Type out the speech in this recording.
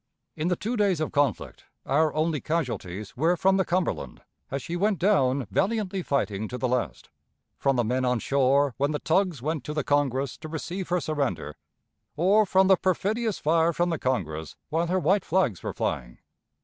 In the two days of conflict our only casualties were from the Cumberland as she went down valiantly fighting to the last, from the men on shore when the tugs went to the Congress to receive her surrender, or from the perfidious fire from the Congress while her white flags were flying.